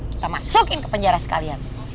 kita masukin ke penjara sekalian